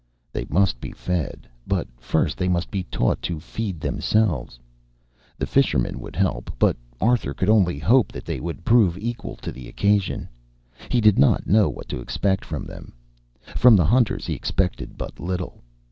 They must be fed, but first they must be taught to feed themselves. The fishermen would help, but Arthur could only hope that they would prove equal to the occasion. He did not know what to expect from them. From the hunters he expected but little.